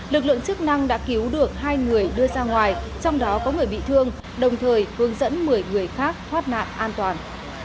lực lượng chức năng đã cứu được hai người đưa ra ngoài trong đó có người bị thương đồng thời hướng dẫn một mươi người khác thoát nạn an toàn